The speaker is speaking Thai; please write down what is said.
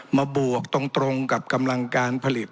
บวกตรงกับกำลังการผลิต